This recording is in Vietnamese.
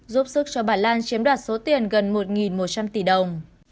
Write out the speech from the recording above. giúp sức cho bà lan chiếm đoạt số tiền gần một một trăm linh tỷ đồng